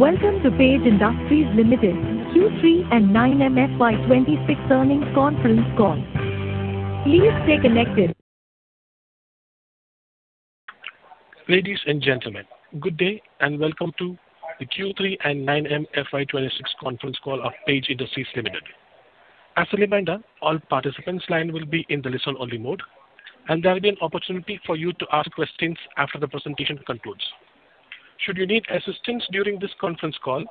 Ladies and gentlemen, good day, and welcome to the Q3 and 9M FY 2026 conference call of Page Industries Limited. As a reminder, all participants' lines will be in the listen-only mode, and there will be an opportunity for you to ask questions after the presentation concludes. Should you need assistance during this conference call,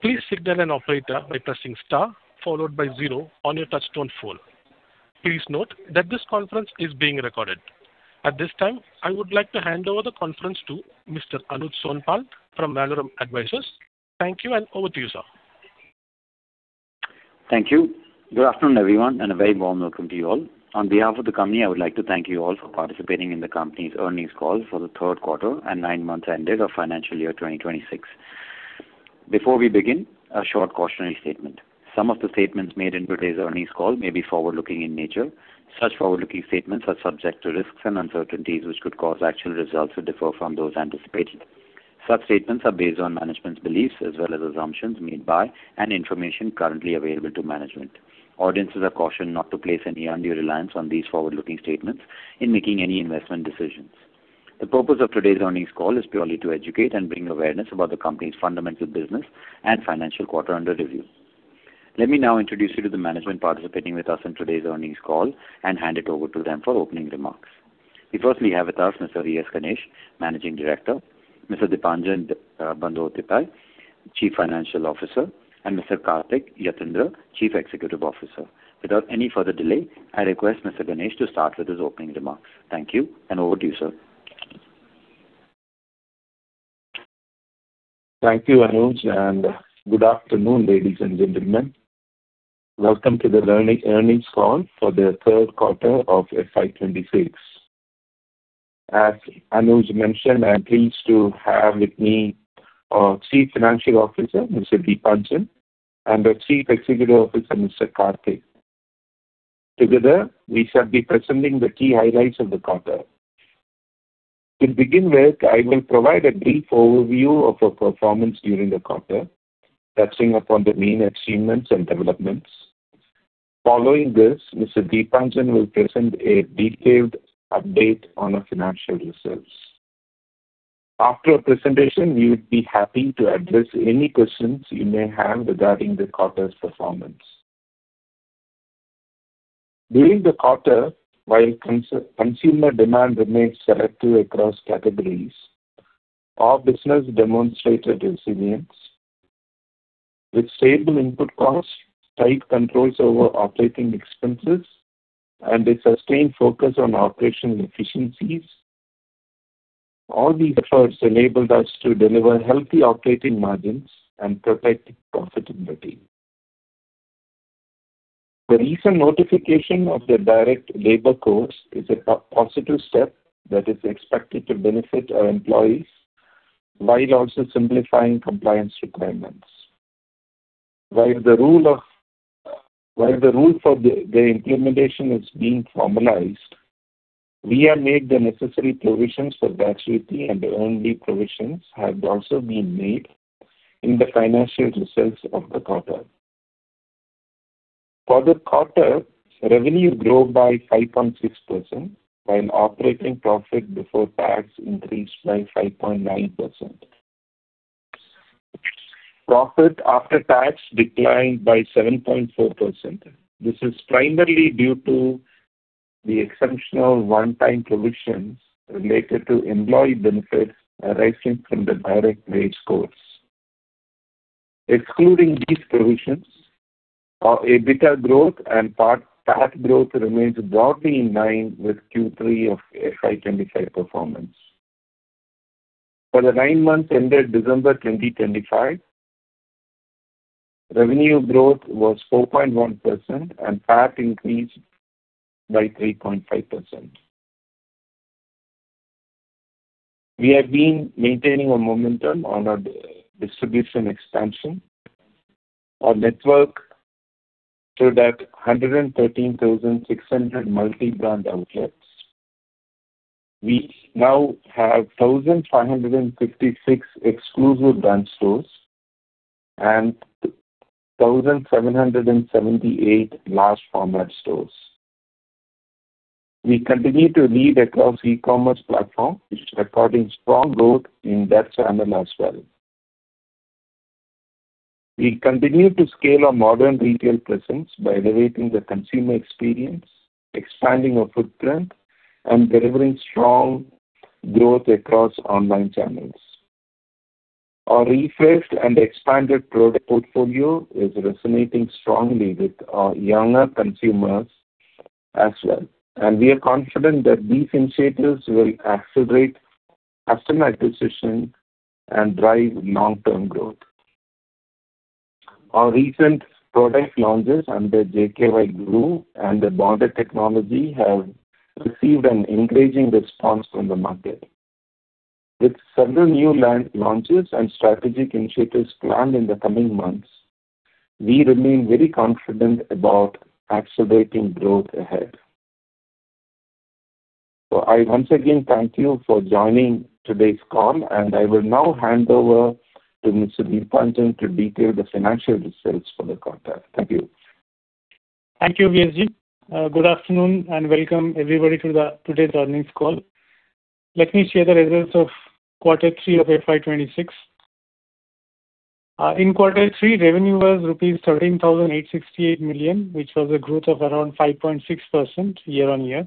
please signal an operator by pressing star followed by zero on your touchtone phone. Please note that this conference is being recorded. At this time, I would like to hand over the conference to Mr. Anuj Sonpal from Valorem Advisors. Thank you, and over to you, sir. Thank you. Good afternoon, everyone, and a very warm welcome to you all. On behalf of the company, I would like to thank you all for participating in the company's earnings call for the third quarter and nine months ended, of financial year 2026. Before we begin, a short cautionary statement. Some of the statements made in today's earnings call may be forward-looking in nature. Such forward-looking statements are subject to risks and uncertainties, which could cause actual results to differ from those anticipated. Such statements are based on management's beliefs as well as assumptions made by and information currently available to management. Audiences are cautioned not to place any undue reliance on these forward-looking statements in making any investment decisions. The purpose of today's earnings call is purely to educate and bring awareness about the company's fundamental business and financial quarter under review. Let me now introduce you to the management participating with us in today's earnings call and hand it over to them for opening remarks. We firstly have with us Mr. V.S. Ganesh, Managing Director, Mr. Deepanjan Bandyopadhyay, Chief Financial Officer, and Mr. Karthik Yathindra, Chief Executive Officer. Without any further delay, I request Mr. Ganesh to start with his opening remarks. Thank you, and over to you, sir. Thank you, Anuj, and good afternoon, ladies and gentlemen. Welcome to the earnings call for the third quarter of FY 2026. As Anuj mentioned, I'm pleased to have with me our Chief Financial Officer, Mr. Deepanjan, and our Chief Executive Officer, Mr. Karthik. Together, we shall be presenting the key highlights of the quarter. To begin with, I will provide a brief overview of our performance during the quarter, touching upon the main achievements and developments. Following this, Mr. Deepanjan will present a detailed update on our financial results. After a presentation, we would be happy to address any questions you may have regarding the quarter's performance. During the quarter, while consumer demand remained selective across categories, our business demonstrated resilience. With stable input costs, tight controls over operating expenses, and a sustained focus on operational efficiencies, all these efforts enabled us to deliver healthy operating margins and protected profitability. The recent notification of the direct labor codes is a positive step that is expected to benefit our employees, while also simplifying compliance requirements. While the rule for the implementation is being formalized, we have made the necessary provisions for gratuity, and the only provisions have also been made in the financial results of the quarter. For the quarter, revenue grew by 5.6%, while operating profit before tax increased by 5.9%. Profit after tax declined by 7.4%. This is primarily due to the exceptional one-time provisions related to employee benefits arising from the direct labor codes. Excluding these provisions, our EBITDA growth and PAT, PAT growth remains broadly in line with Q3 of FY 2025 performance. For the nine months ended December 2025, revenue growth was 4.1%, and PAT increased by 3.5%. We have been maintaining our momentum on our distribution expansion. Our network stood at 113,600 multi-brand outlets. We now have 1,556 exclusive brand stores and 1,778 large format stores. We continue to lead across e-commerce platform, which is recording strong growth in that channel as well. We continue to scale our modern retail presence by elevating the consumer experience, expanding our footprint, and delivering strong growth across online channels. Our refreshed and expanded product portfolio is resonating strongly with our younger consumers as well, and we are confident that these initiatives will accelerate customer acquisition and drive long-term growth. Our recent product launches under JKY Groove and the bonded technology have received an encouraging response from the market. With several new line launches and strategic initiatives planned in the coming months, we remain very confident about accelerating growth ahead. So I once again thank you for joining today's call, and I will now hand over to Mr. Deepanjan to detail the financial results for the quarter. Thank you. Thank you, V.S. Good afternoon, and welcome, everybody, to today's earnings call. Let me share the results of quarter three of FY 2026. In quarter three, revenue was rupees 13,868 million, which was a growth of around 5.6% year-on-year.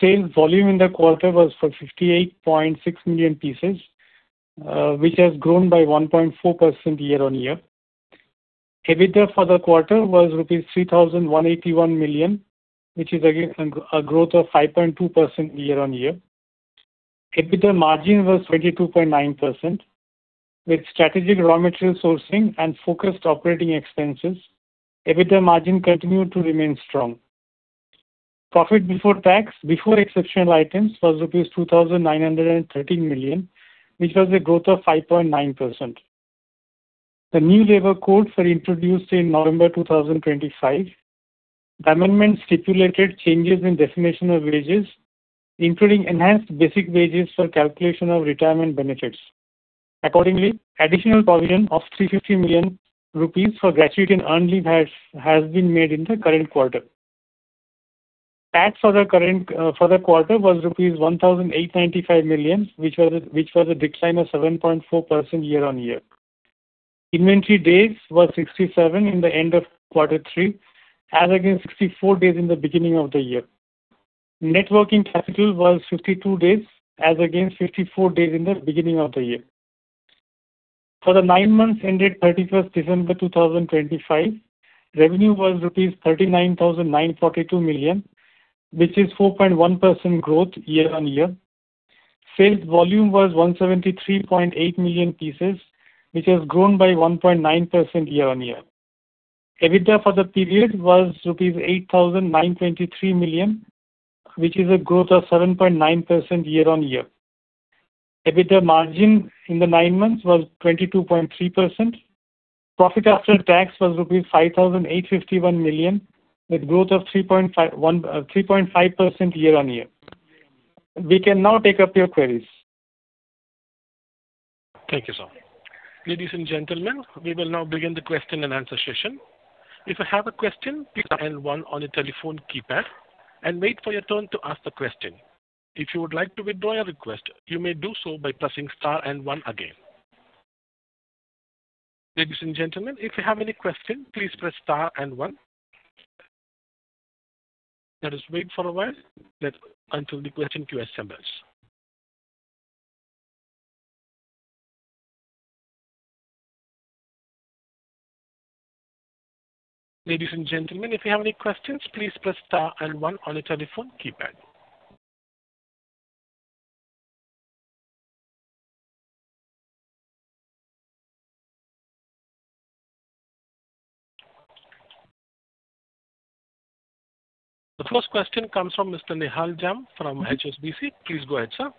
Sales volume in the quarter was 58.6 million pieces, which has grown by 1.4% year-on-year. EBITDA for the quarter was rupees 3,181 million, which is again a growth of 5.2% year-on-year. EBITDA margin was 22.9%. With strategic raw material sourcing and focused operating expenses, EBITDA margin continued to remain strong. Profit before tax, before exceptional items, was rupees 2,913 million, which was a growth of 5.9%. The new labor codes were introduced in November 2025. The amendment stipulated changes in definition of wages, including enhanced basic wages for calculation of retirement benefits. Accordingly, additional provision of 350 million rupees for gratuity and earnings has been made in the current quarter. Tax for the current quarter was rupees 1,895 million, which was a decline of 7.4% year-on-year. Inventory days was 67 in the end of quarter three, as against 64 days in the beginning of the year. Net working capital was 52 days, as against 54 days in the beginning of the year. For the nine months ended 31 December 2025, revenue was rupees 39,942 million, which is 4.1% growth year-on-year. Sales volume was 173.8 million pieces, which has grown by 1.9% year-over-year. EBITDA for the period was rupees 8,923 million, which is a growth of 7.9% year-over-year. EBITDA margin in the nine months was 22.3%. Profit after tax was rupees 5,851 million, with growth of 3.51, 3.5% year-over-year. We can now take up your queries. Thank you, sir. Ladies and gentlemen, we will now begin the question and answer session. If you have a question, press star and one on your telephone keypad and wait for your turn to ask the question. If you would like to withdraw your request, you may do so by pressing star and one again. Ladies and gentlemen, if you have any questions, please press star and one. Let us wait for a while until the question queue establishes. Ladies and gentlemen, if you have any questions, please press star and one on your telephone keypad. The first question comes from Mr. Nihal Jham from HSBC. Please go ahead, sir.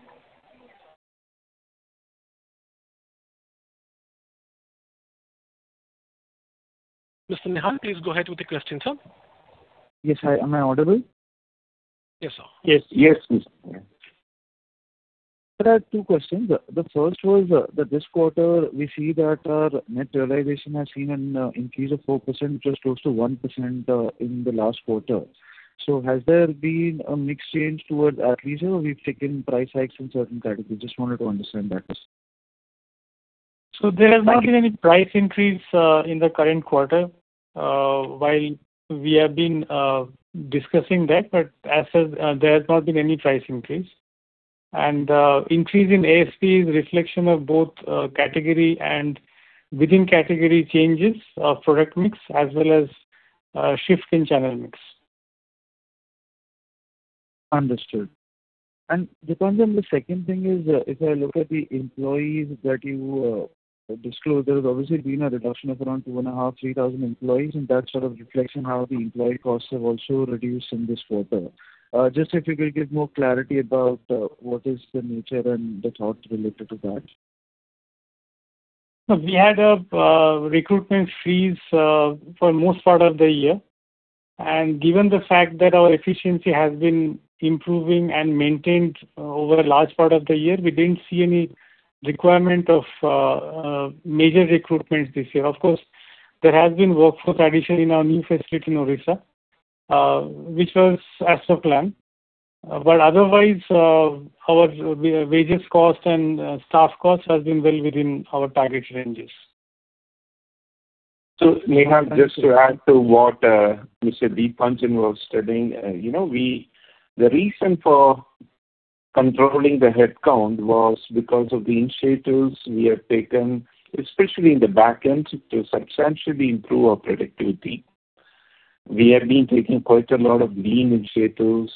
Mr. Nihal, please go ahead with the question, sir. Yes, hi. Am I audible? Yes, sir. Yes. Yes, please. There are two questions. The first was that this quarter we see that our net realization has seen an increase of 4%, which was close to 1% in the last quarter. So has there been a mix change towards our leisure, or we've taken price hikes in certain categories? Just wanted to understand that. There has not been any price increase in the current quarter while we have been discussing that, but as of there has not been any price increase. Increase in ASP is reflection of both category and within category changes of product mix as well as shift in channel mix. Understood. And Deepanjan, the second thing is, if I look at the employees that you disclosed, there has obviously been a reduction of around 2.5-3,000 employees, and that's sort of reflection how the employee costs have also reduced in this quarter. Just if you could give more clarity about what is the nature and the thought related to that. We had a recruitment freeze for most part of the year. And given the fact that our efficiency has been improving and maintained over a large part of the year, we didn't see any requirement of major recruitment this year. Of course, there has been workforce addition in our new facility in Odisha, which was as per plan. But otherwise, our wages cost and staff cost has been well within our target ranges. So Nihal, just to add to what, Mr. Deepanjan was stating, you know, we -- the reason for controlling the headcount was because of the initiatives we have taken, especially in the back end, to substantially improve our productivity. We have been taking quite a lot of lean initiatives,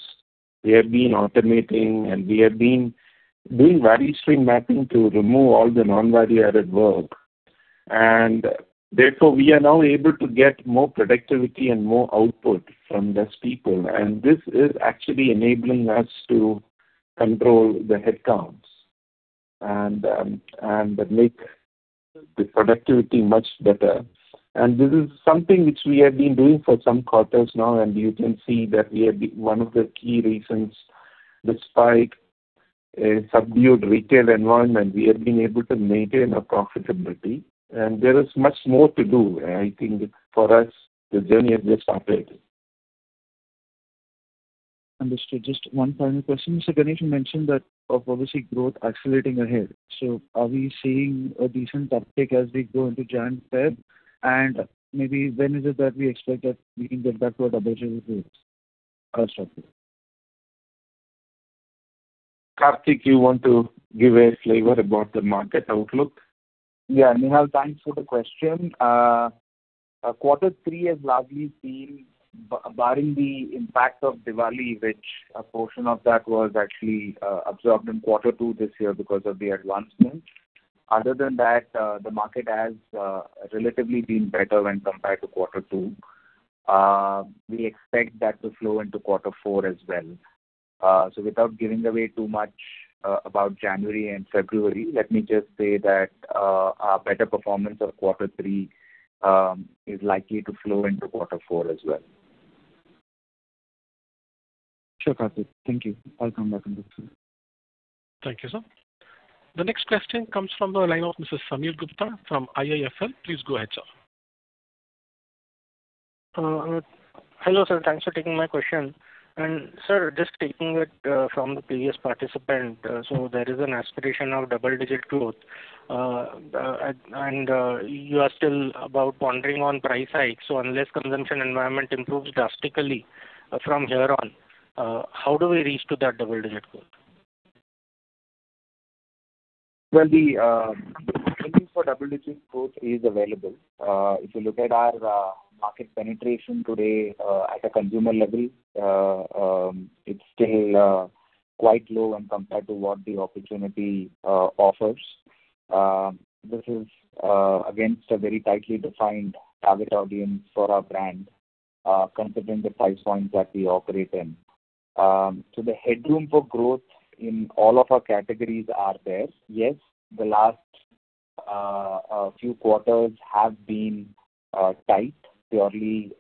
we have been automating, and we have been doing value stream mapping to remove all the non-value-added work. And therefore, we are now able to get more productivity and more output from less people, and this is actually enabling us to control the headcounts and, and make the productivity much better. And this is something which we have been doing for some quarters now, and you can see that we have been one of the key reasons, despite a subdued retail environment, we have been able to maintain our profitability. There is much more to do, I think, for us, the journey has just started. Understood. Just one final question. Mr. Ganesh, you mentioned that obviously growth accelerating ahead. So are we seeing a decent uptick as we go into Jan, Feb? And maybe when is it that we expect that we can get back to our double-digit growth? Karthik. Karthik, you want to give a flavor about the market outlook? Yeah. Nihal, thanks for the question. Quarter three has largely been barring the impact of Diwali, which a portion of that was actually absorbed in quarter two this year because of the advancement. Other than that, the market has relatively been better when compared to quarter two. We expect that to flow into quarter four as well. So without giving away too much about January and February, let me just say that our better performance of quarter three is likely to flow into quarter four as well. Sure, Karthik. Thank you. I'll come back on this one. Thank you, sir. The next question comes from the line of Mr. Sameer Gupta from IIFL. Please go ahead, sir. Hello, sir. Thanks for taking my question. Sir, just taking it from the previous participant, so there is an aspiration of double-digit growth. You are still about pondering on price hikes. So unless consumption environment improves drastically from here on, how do we reach to that double-digit growth? Well, the potential for double-digit growth is available. If you look at our market penetration today at a consumer level, it's still quite low when compared to what the opportunity offers. This is against a very tightly defined target audience for our brand, considering the price points that we operate in. So the headroom for growth in all of our categories are there. Yes, the last few quarters have been tight, purely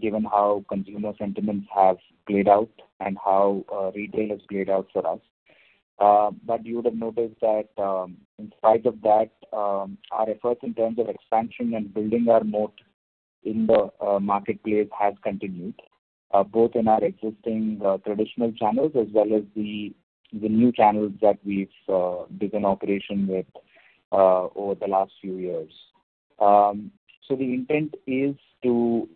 given how consumer sentiments have played out and how retail has played out for us. But you would have noticed that, in spite of that, our efforts in terms of expansion and building our moat in the marketplace have continued, both in our existing traditional channels as well as the new channels that we've been in operation with, over the last few years. So the intent is to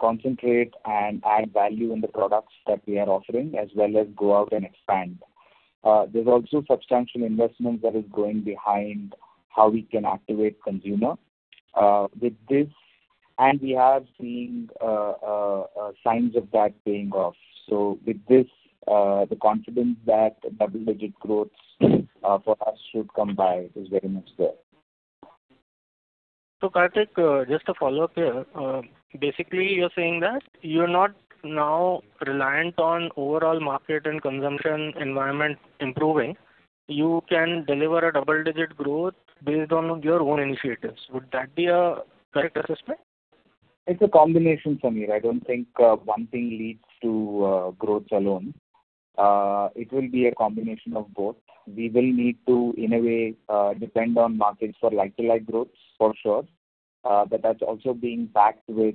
concentrate and add value in the products that we are offering, as well as go out and expand. There's also substantial investment that is going behind how we can activate consumer with this, and we are seeing signs of that paying off. So with this, the confidence that double-digit growth for us should come by is very much there. Karthik, just a follow-up here. Basically, you're saying that you're not now reliant on overall market and consumption environment improving. You can deliver a double-digit growth based on your own initiatives. Would that be a correct assessment? It's a combination, Sameer. I don't think one thing leads to growth alone. It will be a combination of both. We will need to, in a way, depend on markets for like-to-like growth, for sure. But that's also being backed with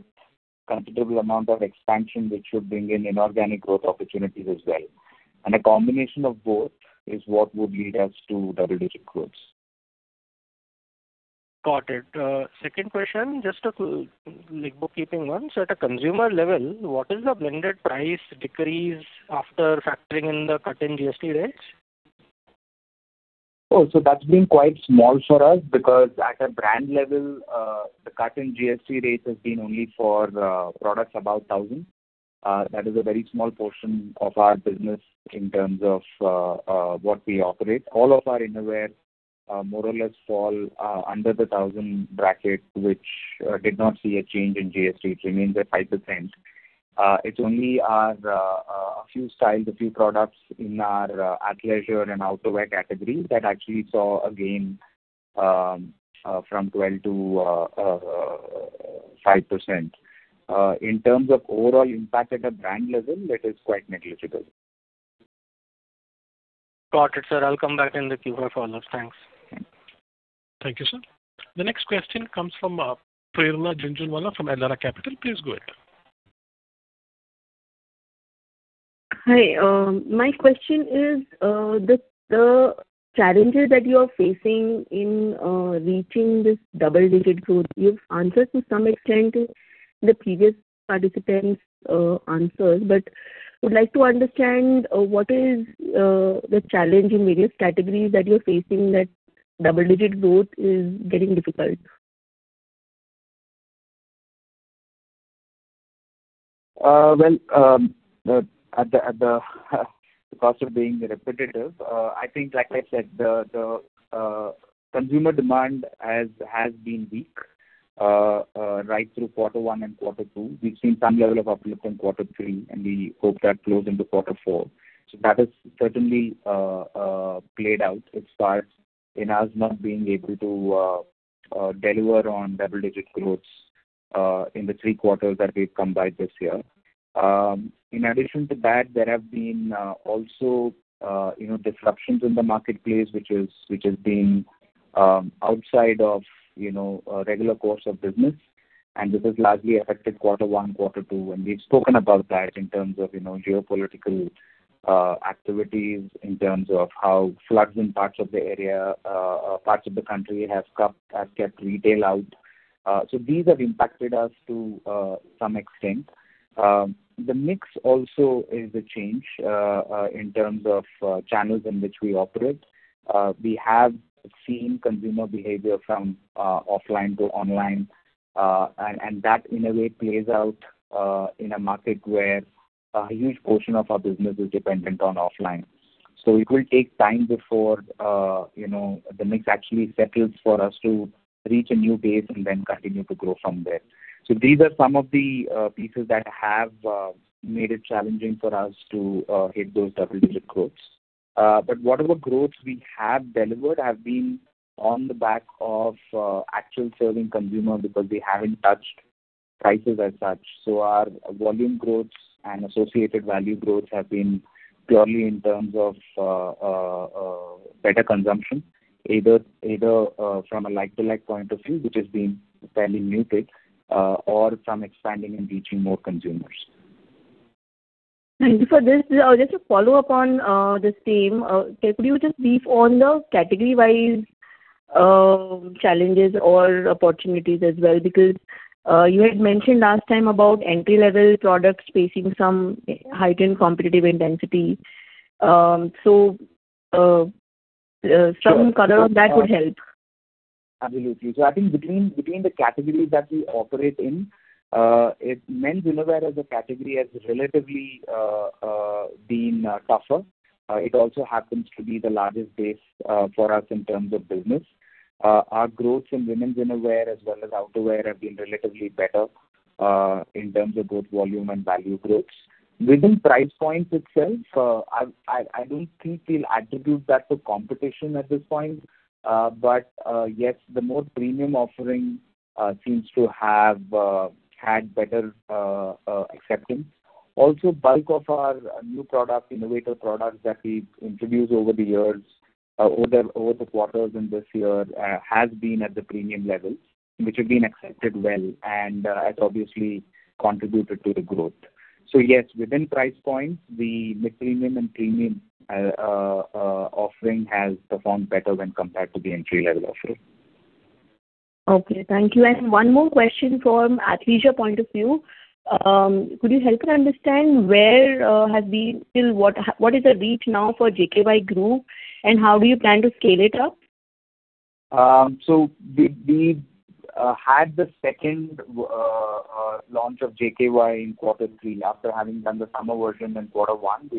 considerable amount of expansion, which should bring in inorganic growth opportunities as well. And a combination of both is what would lead us to double-digit growth. Got it. Second question, just a like, bookkeeping one. So at a consumer level, what is the blended price decrease after factoring in the cut in GST rates? Oh, so that's been quite small for us, because at a brand level, the cut in GST rates has been only for products above 1000. That is a very small portion of our business in terms of what we operate. All of our innerwear more or less fall under the 1000 bracket, which did not see a change in GST. It remains at 5%. It's only our a few styles, a few products in our athleisure and outerwear category that actually saw a gain from 12%-5%. In terms of overall impact at a brand level, that is quite negligible. Got it, sir. I'll come back in the queue for follow-ups. Thanks. Thank you, sir. The next question comes from Prerna Jhunjhunwala from Elara Capital. Please go ahead. Hi, my question is, the challenges that you're facing in reaching this double-digit growth. You've answered to some extent in the previous participants' answers, but I would like to understand what is the challenge in various categories that you're facing, that double-digit growth is getting difficult? Well, at the cost of being repetitive, I think, like I said, consumer demand has been weak right through quarter one and quarter two. We've seen some level of uplift from quarter three, and we hope that flows into quarter four. So that has certainly played out its part in us not being able to deliver on double-digit growth in the three quarters that we've come by this year. In addition to that, there have been also, you know, disruptions in the marketplace, which is, which has been, outside of, you know, regular course of business, and this has largely affected quarter one, quarter two, and we've spoken about that in terms of, you know, geopolitical activities, in terms of how floods in parts of the area, parts of the country have cut, have kept retail out. So these have impacted us to some extent. The mix also is a change in terms of channels in which we operate. We have seen consumer behavior from offline to online, and that, in a way, plays out in a market where a huge portion of our business is dependent on offline. So it will take time before, you know, the mix actually settles for us to reach a new base and then continue to grow from there. So these are some of the pieces that have made it challenging for us to hit those double-digit growths. But whatever growths we have delivered have been on the back of actual serving consumer because we haven't touched prices as such. So our volume growths and associated value growths have been purely in terms of better consumption, either from a like-to-like point of view, which has been fairly muted, or from expanding and reaching more consumers. Thank you for this. Just to follow up on this theme, could you just brief on the category-wise challenges or opportunities as well? Because you had mentioned last time about entry-level products facing some heightened competitive intensity. So, some color on that would help. Absolutely. So I think between the categories that we operate in, men's innerwear as a category has relatively been tougher. It also happens to be the largest base for us in terms of business. Our growth in women's innerwear as well as outerwear have been relatively better in terms of both volume and value growth. Within price points itself, I don't think we'll attribute that to competition at this point. But yes, the more premium offering seems to have had better acceptance. Also, bulk of our new product, innovative products that we've introduced over the years, over the quarters in this year, has been at the premium levels, which have been accepted well and has obviously contributed to the growth. So yes, within price points, the mid-premium and premium offering has performed better when compared to the entry-level offering. Okay, thank you. One more question from athleisure point of view. Could you help me understand till now, what is the reach now for JKY Groove, and how do you plan to scale it up? So we had the second launch of JKY in quarter three, after having done the summer version in quarter one.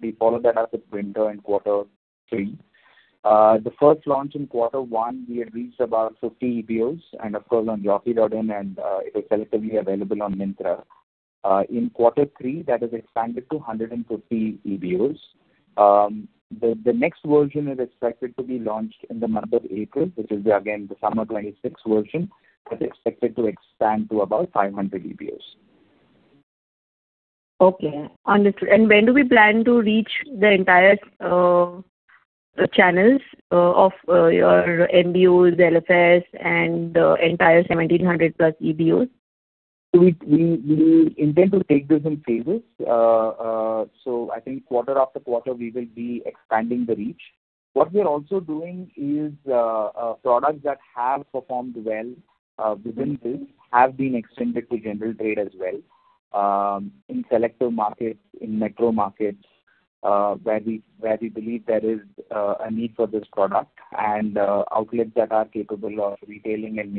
We followed that up with winter in quarter three. The first launch in quarter one, we had reached about 50 EBOs, and of course, on jockey.in, and it is selectively available on Myntra. In quarter three, that has expanded to 150 EBOs. The next version is expected to be launched in the month of April, which will be again, the Summer 2026 version, that's expected to expand to about 500 EBOs. Okay, understood. When do we plan to reach the entire channels of your MBOs, LFS, and the entire 1,700+ EBOs? So we intend to take this in phases. So I think quarter after quarter, we will be expanding the reach. What we are also doing is, products that have performed well, within this, have been extended to general trade as well, in selective markets, in metro markets, where we believe there is, a need for this product. And outlets that are capable of retailing and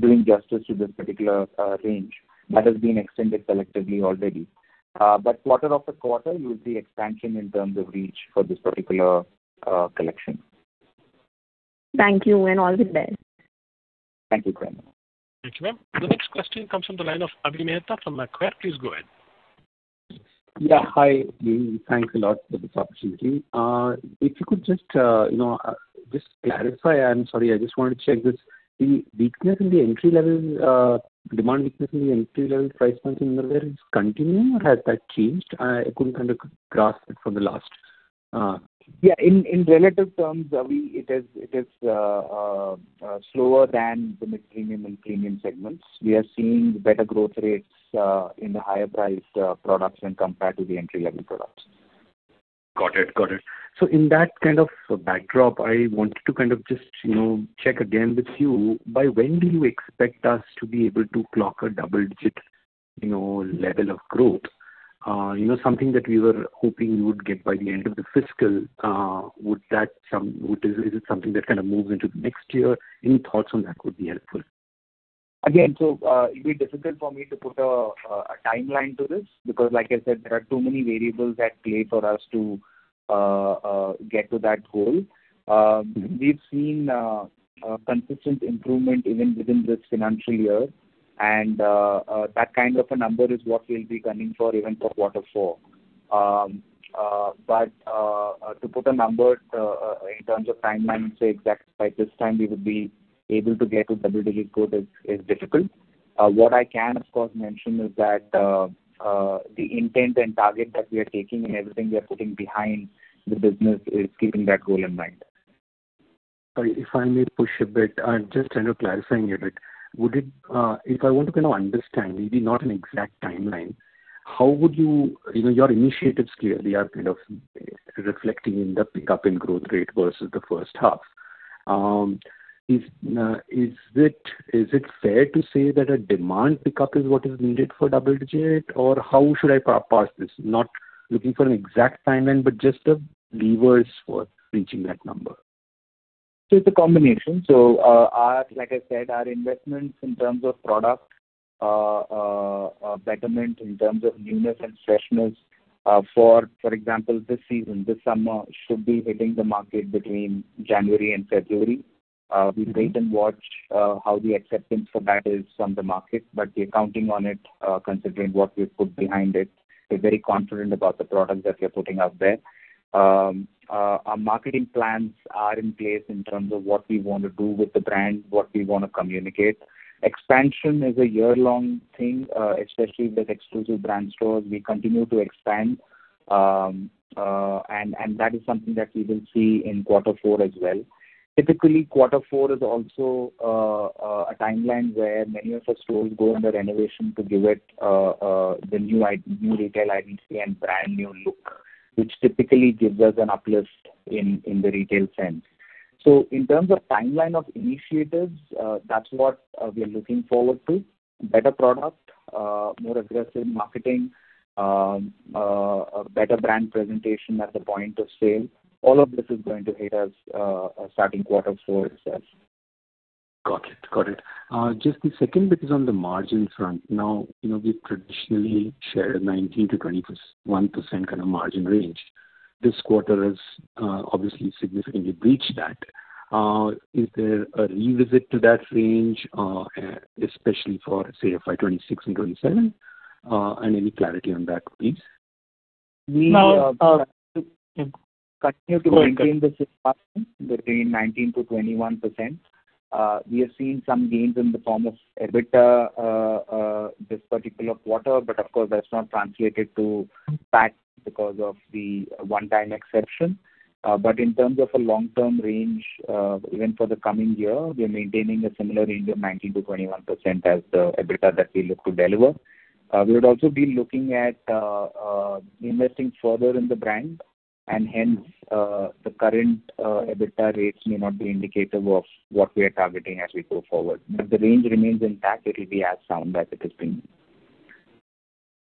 doing justice to this particular range, that has been extended selectively already. But quarter after quarter, you will see expansion in terms of reach for this particular collection. Thank you, and all the best. Thank you, Prerna. Thank you, ma'am. The next question comes from the line of Avi Mehta from Macquarie. Please go ahead. Yeah, hi. Thanks a lot for this opportunity. If you could just, you know, just clarify, I'm sorry, I just want to check this. The weakness in the entry-level demand weakness in the entry-level price point in innerwear, is continuing, or has that changed? I couldn't kind of grasp it from the last. Yeah, in relative terms, Abhi, it is slower than the mid-premium and premium segments. We are seeing better growth rates in the higher priced products when compared to the entry-level products. Got it. Got it. So in that kind of backdrop, I wanted to kind of just, you know, check again with you, by when do you expect us to be able to clock a double digit, you know, level of growth? You know, something that we were hoping we would get by the end of the fiscal. Would it be something that kind of moves into the next year? Any thoughts on that would be helpful. Again, so, it'd be difficult for me to put a timeline to this, because like I said, there are too many variables at play for us to get to that goal. We've seen a consistent improvement even within this financial year. And that kind of a number is what we'll be gunning for even for quarter four. But to put a number in terms of timeline and say exactly by this time we would be able to get to double-digit growth is difficult. What I can, of course, mention is that the intent and target that we are taking and everything we are putting behind the business is keeping that goal in mind. Sorry, if I may push a bit, just kind of clarifying it a bit. Would it, if I want to kind of understand, maybe not an exact timeline, how would you, you know, your initiatives clearly are kind of reflecting in the pickup in growth rate versus the first half. Is it fair to say that a demand pickup is what is needed for double digit? Or how should I parse this? Not looking for an exact timeline, but just the levers for reaching that number. So it's a combination. So, like I said, our investments in terms of product, betterment in terms of newness and freshness, for example, this season, this summer, should be hitting the market between January and February. We wait and watch how the acceptance for that is on the market, but we're counting on it, considering what we've put behind it. We're very confident about the product that we are putting out there. Our marketing plans are in place in terms of what we want to do with the brand, what we want to communicate. Expansion is a year-long thing, especially with exclusive brand stores. We continue to expand, and that is something that we will see in quarter four as well. Typically, quarter four is also a timeline where many of our stores go under renovation to give it the new retail identity and brand new look, which typically gives us an uplift in the retail sense. So in terms of timeline of initiatives, that's what we are looking forward to: better product, more aggressive marketing, a better brand presentation at the point of sale. All of this is going to hit us starting quarter four itself. Got it. Got it. Just the second, because on the margin front, now, you know, we've traditionally shared 19%-20% kind of margin range. This quarter has obviously significantly breached that. Is there a revisit to that range, especially for, say, FY 2026 and 2027? And any clarity on that, please? We continue to maintain this margin between 19%-21%. We have seen some gains in the form of EBITDA this particular quarter, but of course, that's not translated to tax because of the one-time exception. But in terms of a long-term range, even for the coming year, we are maintaining a similar range of 19%-21% as the EBITDA that we look to deliver. We would also be looking at investing further in the brand, and hence, the current EBITDA rates may not be indicative of what we are targeting as we go forward. But the range remains intact. It will be as sound as it has been.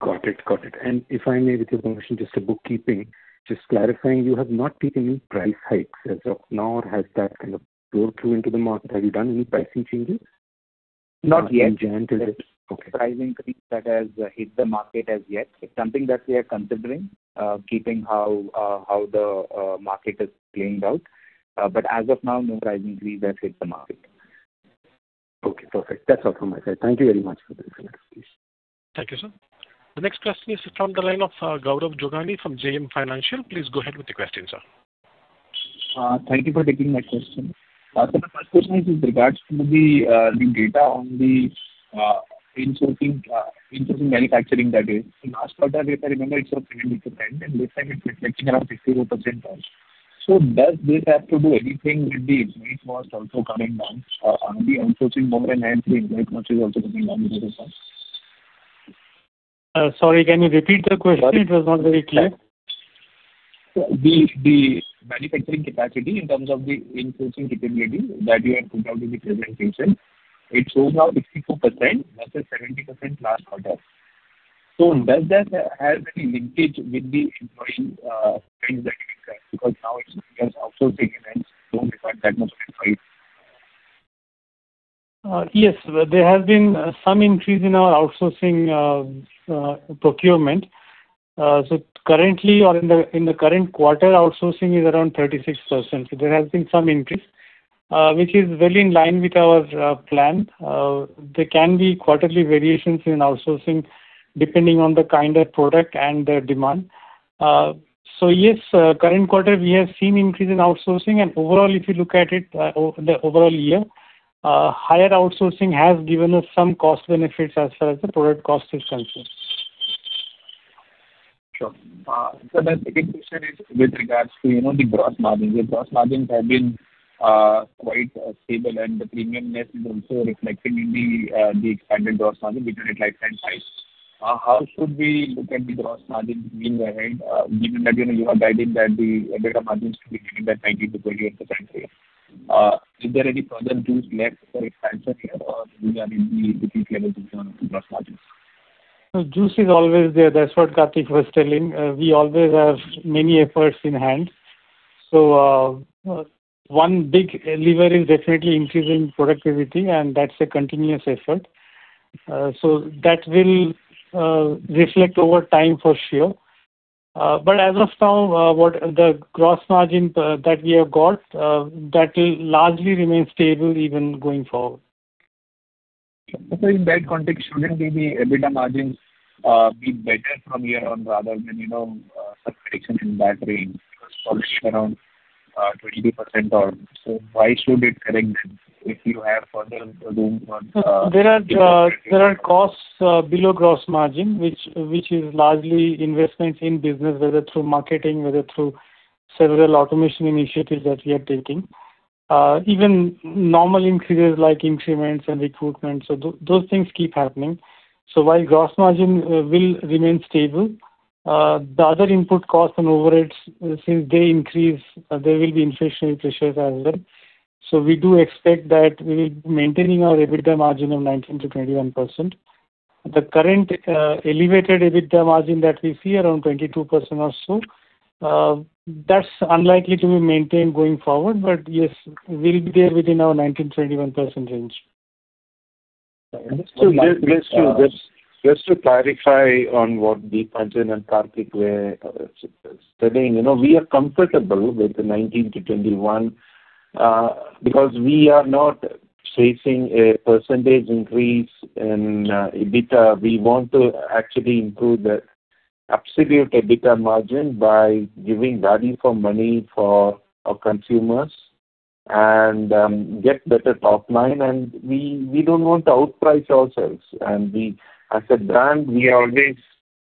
Got it. Got it. And if I may, with your permission, just a bookkeeping, just clarifying, you have not taken any price hikes as of now, or has that kind of broke through into the market? Have you done any pricing changes? Not yet. Okay. Price increase that has hit the market as yet. It's something that we are considering, keeping how the market is playing out. But as of now, no price increase has hit the market. Okay, perfect. That's all from my side. Thank you very much for the clarification. Thank you, sir. The next question is from the line of Gaurav Jogani from JM Financial. Please go ahead with the question, sir. Thank you for taking my question. So the first question is with regards to the, the data on the, in-sourcing manufacturing, that is. In last quarter, if I remember, it was 20%, and this time it's reflecting around 52% also. So does this have to do anything with the employee cost also coming down, or are the outsourcing more and hence the employee cost is also coming down as a result? Sorry, can you repeat the question? It was not very clear. The manufacturing capacity in terms of the in-sourcing capability that you have put out in the presentation, it shows now 52% versus 70% last quarter. So does that have any linkage with the employing trends that you said? Because now it's just outsourcing and don't require that much employee. Yes. There has been some increase in our outsourcing procurement. So currently or in the current quarter, outsourcing is around 36%. So there has been some increase, which is well in line with our plan. There can be quarterly variations in outsourcing, depending on the kind of product and the demand. So yes, current quarter, we have seen increase in outsourcing. And overall, if you look at it, the overall year, higher outsourcing has given us some cost benefits as far as the product cost is concerned. Sure. So my second question is with regards to, you know, the gross margin. The gross margins have been quite stable, and the premium net is also reflected in the expanded gross margin, which are at lifetime highs. How should we look at the gross margin going ahead, given that, you know, you are guiding that the EBITDA margins to be between 19%-21%? Is there any further juice left for expansion here, or do you have any particular vision on gross margins? So juice is always there. That's what Karthik was telling. We always have many efforts in hand. So, one big lever is definitely increasing productivity, and that's a continuous effort. So that will reflect over time for sure. But as of now, the gross margin that we have got, that will largely remain stable even going forward. So in that context, shouldn't the EBITDA margins be better from here on, rather than, you know, saturation in that range? Because it's around 22% or... So why should it correct if you have further room for- There are costs below gross margin, which is largely investments in business, whether through marketing, whether through several automation initiatives that we are taking. Even normal increases like increments and recruitment, so those things keep happening. So while gross margin will remain stable, the other input costs and overheads, since they increase, there will be inflationary pressures as well. So we do expect that we will be maintaining our EBITDA margin of 19%-21%. The current elevated EBITDA margin that we see around 22% or so, that's unlikely to be maintained going forward. But yes, we'll be there within our 19%-21% range. So just to clarify on what Deepanjan and Karthik were saying, you know, we are comfortable with the 19%-21%, because we are not facing a percentage increase in EBITDA. We want to actually improve the absolute EBITDA margin by giving value for money for our consumers and get better top line. And we don't want to outprice ourselves. And we, as a brand, we always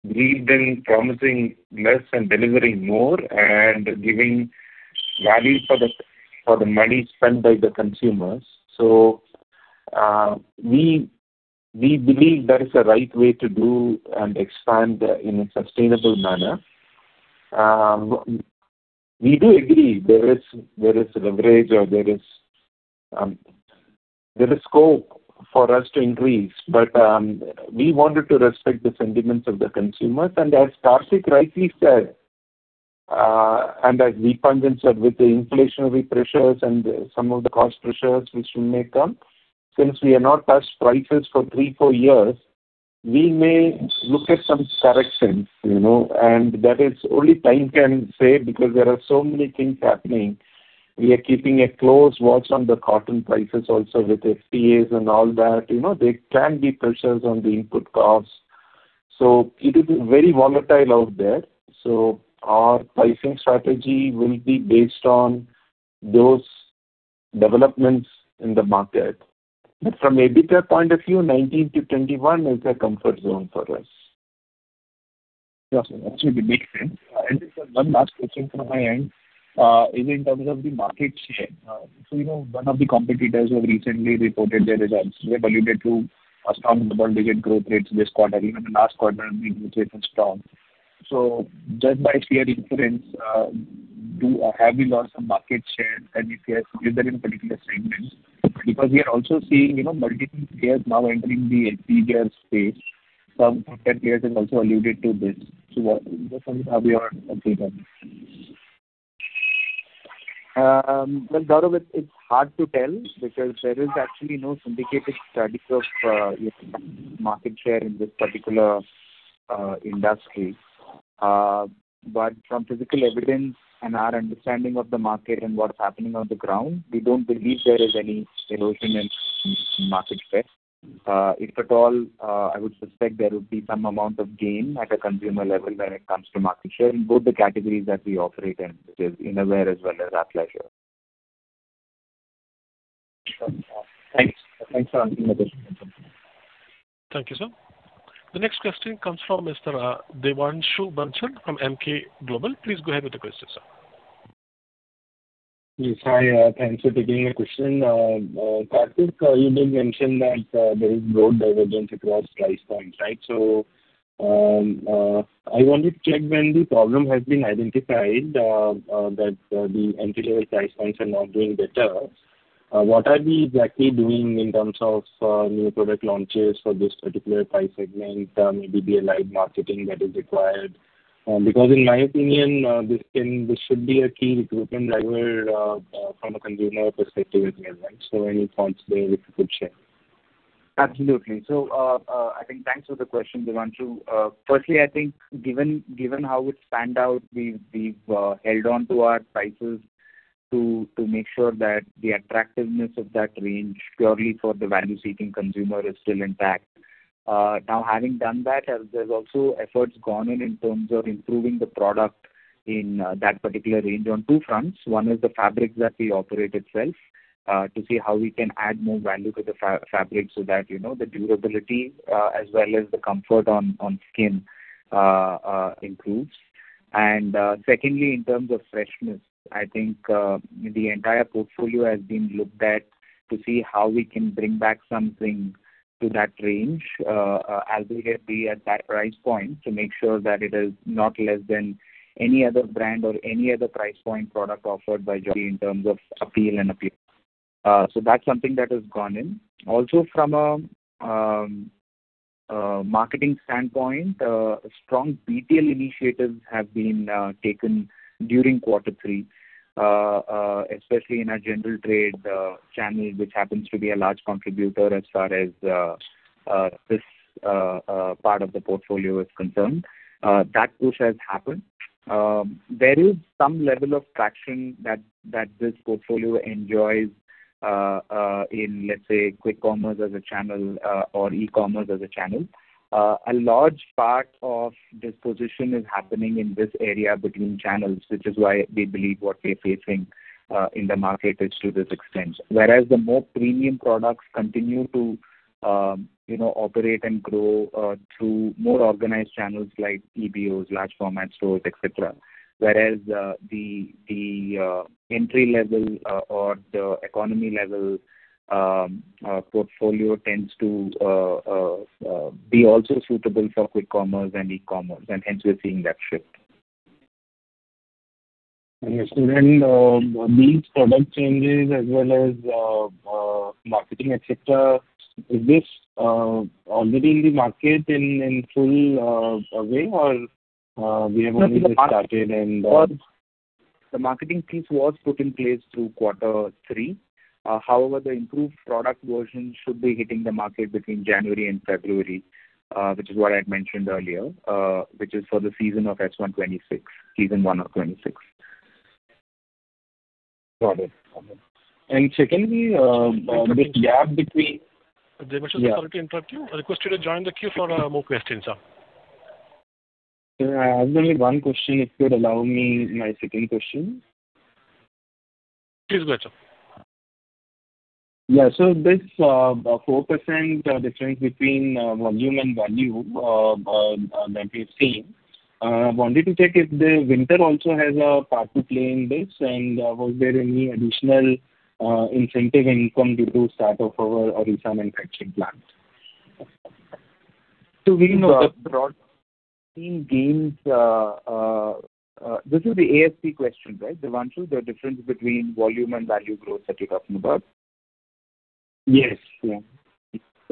believed in promising less and delivering more, and giving value for the money spent by the consumers. So, we believe that is the right way to do and expand in a sustainable manner. We do agree there is leverage or there is scope for us to increase. But we wanted to respect the sentiments of the consumers. As Karthik rightly said and as Deepanjan said, with the inflationary pressures and some of the cost pressures which may come, since we have not touched prices for three, four years, we may look at some corrections, you know, and that is only time can say, because there are so many things happening. We are keeping a close watch on the cotton prices also with FTAs and all that. You know, there can be pressures on the input costs. So it is very volatile out there, so our pricing strategy will be based on those developments in the market. But from EBITDA point of view, 19 to 21 is a comfort zone for us. Yes, sir, actually it makes sense. And just one last question from my end, is in terms of the market share. So, you know, one of the competitors who have recently reported their results, they alluded to a strong double-digit growth rate this quarter, even the last quarter I mean, which was strong. So just by clear inference, have we lost some market share and if yes, is there any particular segment? Because we are also seeing, you know, multiple players now entering the HPA space. Some players have also alluded to this. So what have you updated? Well, Gaurav, it's hard to tell, because there is actually no syndicated study of market share in this particular industry. But from physical evidence and our understanding of the market and what's happening on the ground, we don't believe there is any erosion in market share. If at all, I would suspect there would be some amount of gain at a consumer level when it comes to market share in both the categories that we operate in, which is innerwear as well as athleisure. Thanks. Thanks for answering the question. Thank you, sir. The next question comes from Mr. Devanshu Bansal from Emkay Global. Please go ahead with the question, sir. Yes, hi, thanks for taking my question. Karthik, you did mention that there is broad divergence across price points, right? So, I wanted to check when the problem has been identified that the entry-level price points are not doing better. What are we exactly doing in terms of new product launches for this particular price segment? Maybe a live marketing that is required. Because in my opinion, this should be a key recruitment driver from a consumer perspective as well. So any thoughts there that you could share? Absolutely. So, I think thanks for the question, Devanshu. Firstly, I think given how it stand out, we've held on to our prices to make sure that the attractiveness of that range, purely for the value-seeking consumer, is still intact. Now, having done that, there's also efforts gone in in terms of improving the product in that particular range on two fronts. One is the fabric that we operate itself to see how we can add more value to the fabric so that, you know, the durability as well as the comfort on skin improves. Secondly, in terms of freshness, I think the entire portfolio has been looked at to see how we can bring back something to that range, as we can be at that price point, to make sure that it is not less than any other brand or any other price point product offered by in terms of appeal and appeal. So that's something that has gone in. Also from a marketing standpoint, strong BTL initiatives have been taken during quarter three, especially in our general trade channel, which happens to be a large contributor as far as this part of the portfolio is concerned. That push has happened. There is some level of traction that this portfolio enjoys in, let's say, quick commerce as a channel or e-commerce as a channel. A large part of this position is happening in this area between channels, which is why we believe what we're facing in the market is to this extent. Whereas the more premium products continue to, you know, operate and grow through more organized channels like EBOs, large format stores, et cetera. Whereas the entry-level or the economy-level be also suitable for quick commerce and e-commerce, and hence we're seeing that shift. Understood. These product changes as well as marketing, et cetera, is this already in the market in full way, or we have only just started and- The marketing piece was put in place through quarter three. However, the improved product version should be hitting the market between January and February, which is what I had mentioned earlier, which is for the season of S1 2026, season 1 of 2026. Got it. Got it. Secondly, this gap between- Devanshu, sorry to interrupt you. I request you to join the queue for more questions, sir. I have only one question, if you'd allow me my second question. Please go ahead, sir. Yeah. So this 4% difference between volume and value that we've seen—wanted to check if the winter also has a part to play in this, and was there any additional incentive income due to the start of our Odisha manufacturing plant? So we know the broad team gains. This is the ASP question, right, Devanshu? The difference between volume and value growth that you're talking about. Yes, yeah.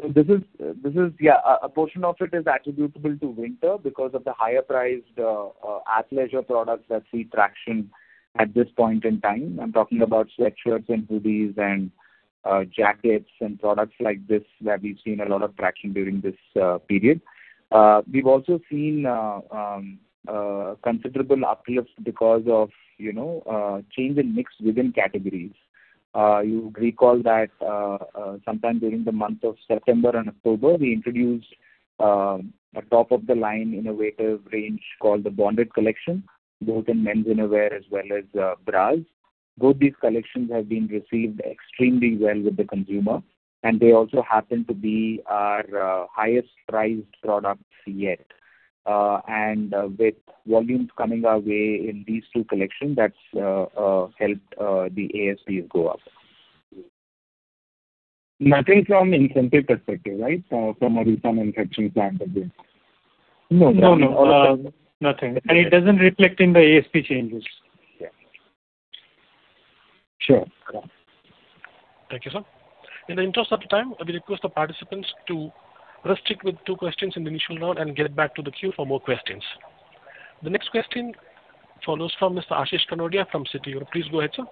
So this is a portion of it is attributable to winter because of the higher priced athleisure products that see traction at this point in time. I'm talking about sweatshirts and hoodies and jackets and products like this, that we've seen a lot of traction during this period. We've also seen considerable uplift because of, you know, change in mix within categories. You would recall that sometime during the month of September and October, we introduced a top-of-the-line innovative range called the Bonded Collection, both in men's innerwear as well as bras. Both these collections have been received extremely well with the consumer, and they also happen to be our highest priced products yet. And with volumes coming our way in these two collections, that's helped the ASPs go up. Nothing from incentive perspective, right? From a retail incentive plan perspective. No, no, nothing. It doesn't reflect in the ASP changes. Yeah. Sure. Thank you, sir. In the interest of time, I will request the participants to restrict with two questions in the initial round and get back to the queue for more questions. The next question follows from Mr. Ashish Kanodia from Citi. Please go ahead, sir.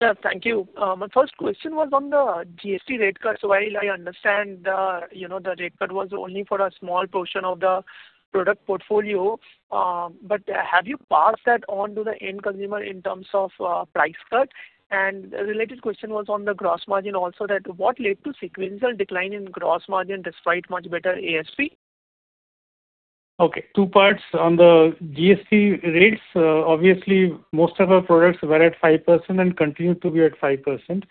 Yeah. Thank you. My first question was on the GST rate cut. So while I understand, you know, the rate cut was only for a small portion of the product portfolio, but have you passed that on to the end consumer in terms of price cut? And a related question was on the gross margin also, that what led to sequential decline in gross margin despite much better ASP? Okay, two parts. On the GST rates, obviously, most of our products were at 5% and continue to be at 5%.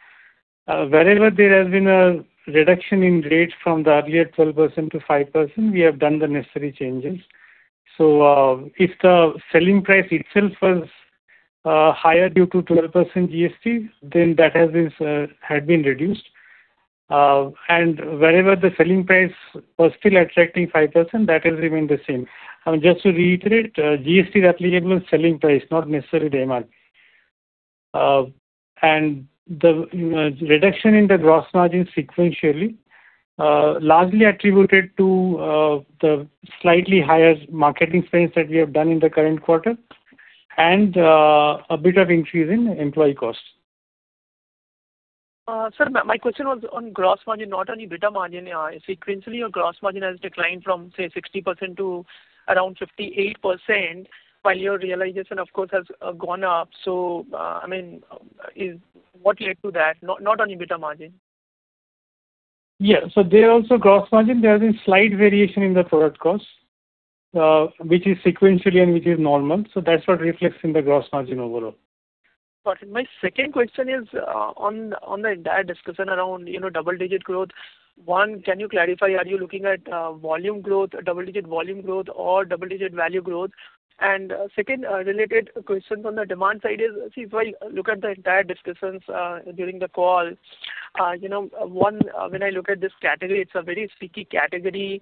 Wherever there has been a reduction in rates from the earlier 12% to 5%, we have done the necessary changes. So, if the selling price itself was higher due to 12% GST, then that has been reduced. And wherever the selling price was still attracting 5%, that has remained the same. I mean, just to reiterate, GST is applicable on selling price, not necessarily the MRP. And the reduction in the gross margin sequentially largely attributed to the slightly higher marketing spends that we have done in the current quarter, and a bit of increase in employee costs. Sir, my question was on gross margin, not on EBITDA margin. Sequentially, your gross margin has declined from, say, 60% to around 58%, while your realization, of course, has gone up. So, I mean, is what led to that, not on EBITDA margin? Yeah. So there also, gross margin, there has been slight variation in the product costs, which is sequentially and which is normal, so that's what reflects in the gross margin overall. Got you. My second question is on the entire discussion around, you know, double-digit growth. One, can you clarify, are you looking at volume growth, double-digit volume growth or double-digit value growth? And second, related question on the demand side is, if I look at the entire discussions during the call, you know, one, when I look at this category, it's a very sticky category.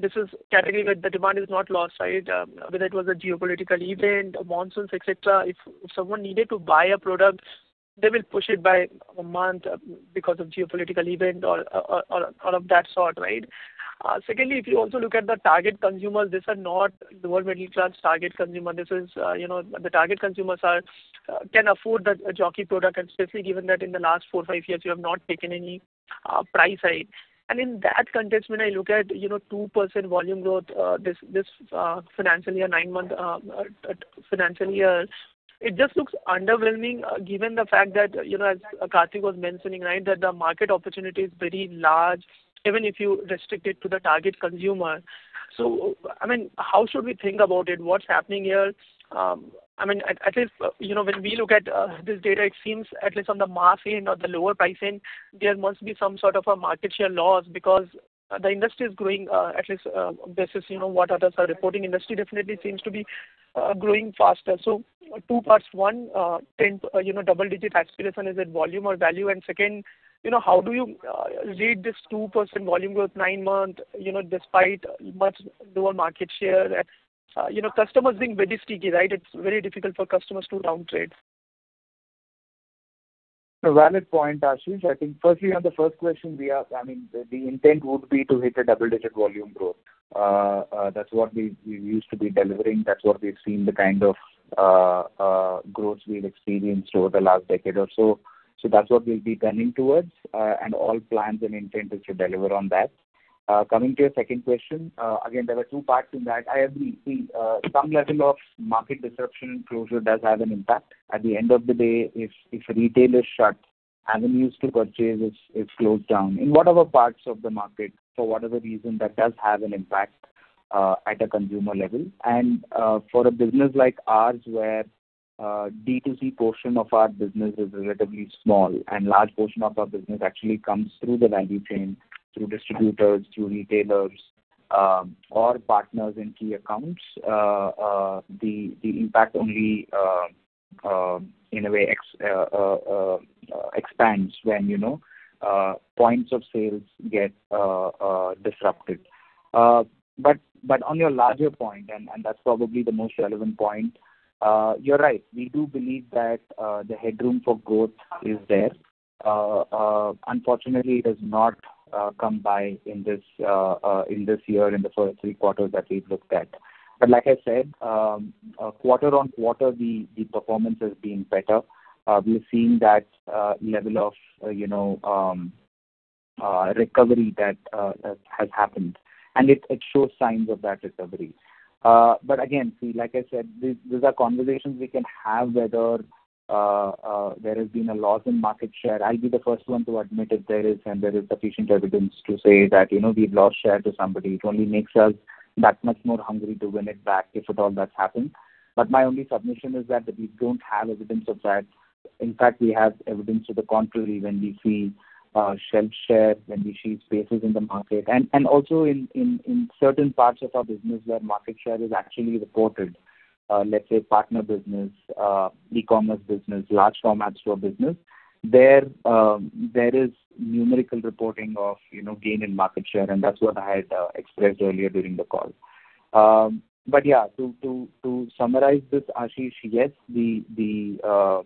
This is category where the demand is not lost, right? Whether it was a geopolitical event, monsoons, et cetera. If someone needed to buy a product, they will push it by a month because of geopolitical event or of that sort, right? Secondly, if you also look at the target consumers, these are not lower middle class target consumer. This is, you know, the target consumers are, can afford the Jockey product, and especially given that in the last four, five years, you have not taken any, price hike. And in that context, when I look at, you know, 2% volume growth, this, this, financial year, nine-month, financial year, it just looks underwhelming, given the fact that, you know, as Karthik was mentioning, right, that the market opportunity is very large, even if you restrict it to the target consumer. So, I mean, how should we think about it? What's happening here? I mean, at, at least, you know, when we look at, this data, it seems at least on the mass end or the lower price end, there must be some sort of a market share loss. Because the industry is growing, at least, this is, you know, what others are reporting. Industry definitely seems to be growing faster. So two parts, one, 10, you know, double-digit aspiration, is it volume or value? And second, you know, how do you read this 2% volume growth 9-month, you know, despite much lower market share? You know, customers being very sticky, right? It's very difficult for customers to down trade. A valid point, Ashish. I think firstly, on the first question, we are—I mean, the intent would be to hit a double-digit volume growth. That's what we used to be delivering. That's what we've seen the kind of growth we've experienced over the last decade or so. So that's what we'll be trending towards, and all plans and intent is to deliver on that. Coming to your second question, again, there are two parts in that. I agree, some level of market disruption and closure does have an impact. At the end of the day, if retail is shut, avenues to purchase is closed down in whatever parts of the market, for whatever reason, that does have an impact at a consumer level. For a business like ours, where D2C portion of our business is relatively small, and large portion of our business actually comes through the value chain, through distributors, through retailers, or partners in key accounts, the impact only, in a way, expands when, you know, points of sales get disrupted. But on your larger point, and that's probably the most relevant point, you're right. We do believe that the headroom for growth is there. Unfortunately, it has not come by in this year, in the first three quarters that we've looked at. But like I said, quarter on quarter, the performance has been better. We've seen that level of, you know, recovery that has happened, and it shows signs of that recovery. But again, see, like I said, these are conversations we can have, whether there has been a loss in market share. I'll be the first one to admit if there is, and there is sufficient evidence to say that, you know, we've lost share to somebody. It only makes us that much more hungry to win it back, if at all that's happened. But my only submission is that we don't have evidence of that. In fact, we have evidence to the contrary, when we see shelf share, when we see spaces in the market and also in certain parts of our business where market share is actually reported. Let's say, partner business, e-commerce business, large format store business, there, there is numerical reporting of, you know, gain in market share, and that's what I had expressed earlier during the call. But yeah, to summarize this, Ashish, yes, the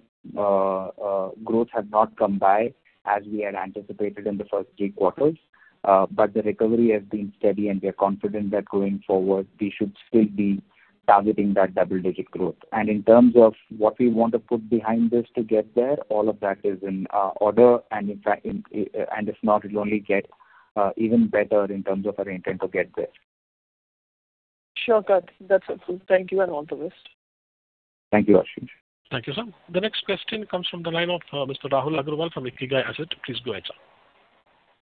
growth has not come by as we had anticipated in the first three quarters, but the recovery has been steady, and we are confident that going forward, we should still be targeting that double-digit growth. And in terms of what we want to put behind this to get there, all of that is in order, and in fact, in—and if not, it'll only get even better in terms of our intent to get there. Sure, Karthik. That's helpful. Thank you, and all the best. Thank you, Ashish. Thank you, sir. The next question comes from the line of Mr. Rahul Agarwal from Ikigai Asset. Please go ahead, sir.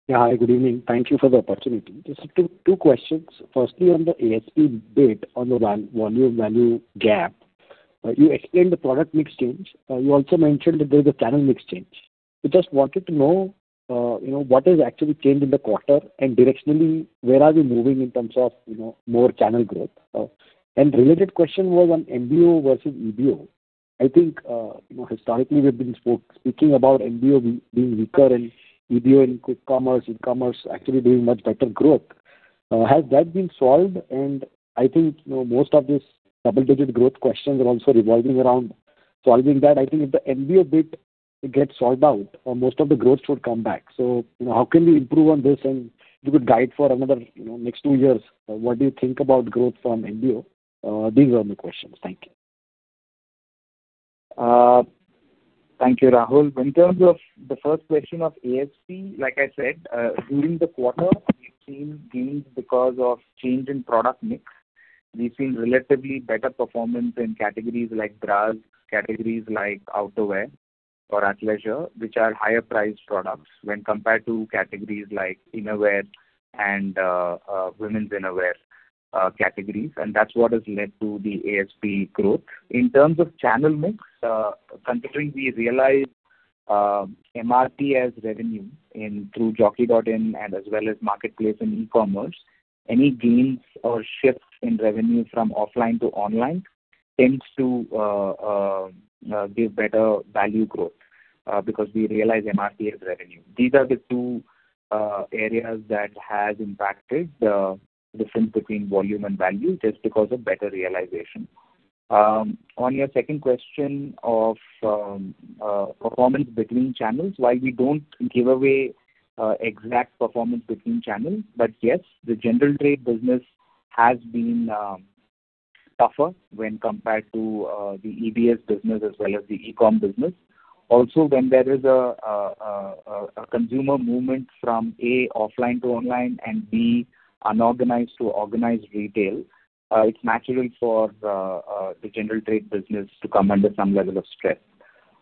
Yeah. Hi, good evening. Thank you for the opportunity. Just two, two questions. Firstly, on the ASP bit, on the volume value gap, you explained the product mix change. You also mentioned that there's a channel mix change. We just wanted to know, you know, what has actually changed in the quarter, and directionally, where are we moving in terms of, you know, more channel growth? And related question was on MBO versus EBO. I think, you know, historically, we've been speaking about MBO being weaker, and EBO and quick commerce, e-commerce actually doing much better growth. Has that been solved? And I think, you know, most of these double-digit growth questions are also revolving around solving that. I think if the MBO bit gets solved out, most of the growth should come back. So, you know, how can we improve on this? And if you could guide for another, you know, next two years, what do you think about growth from MBO? These are my questions. Thank you. Thank you, Rahul. In terms of the first question of ASP, like I said, during the quarter, we've seen gains because of change in product mix. We've seen relatively better performance in categories like bras, categories like outerwear or athleisure, which are higher priced products when compared to categories like innerwear and, women's innerwear, categories, and that's what has led to the ASP growth. In terms of channel mix, considering we realize, MRP as revenue in, through Jockey.in and as well as marketplace and e-commerce, any gains or shifts in revenue from offline to online tends to give better value growth, because we realize MRP as revenue. These are the two areas that has impacted the difference between volume and value, just because of better realization. On your second question of performance between channels, while we don't give away exact performance between channels, but yes, the general trade business has been tougher when compared to the EBO business as well as the e-com business. Also, when there is a consumer movement from, A, offline to online, and B, unorganized to organized retail, it's natural for the general trade business to come under some level of stress.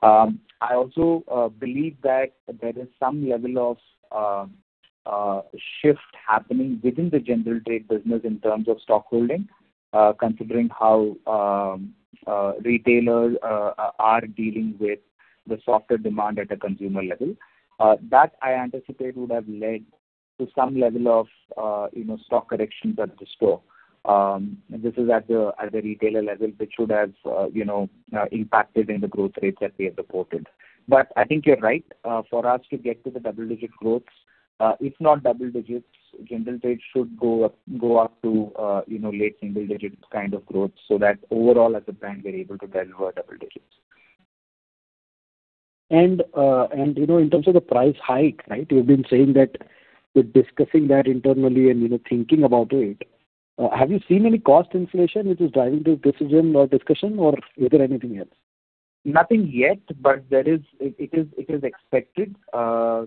I also believe that there is some level of shift happening within the general trade business in terms of stock holding, considering how retailers are dealing with the softer demand at a consumer level. That I anticipate would have led to some level of, you know, stock corrections at the store. This is at the retailer level, which should have, you know, impacted in the growth rates that we have reported. But I think you're right. For us to get to the double-digit growth, if not double digits, general trade should go up to, you know, late single digit kind of growth, so that overall as a brand, we're able to deliver double digits. You know, in terms of the price hike, right, you've been saying that you're discussing that internally and, you know, thinking about it. Have you seen any cost inflation which is driving this decision or discussion, or is there anything else? Nothing yet, but there is, it is expected,